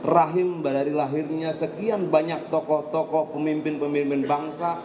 rahim dari lahirnya sekian banyak tokoh tokoh pemimpin pemimpin bangsa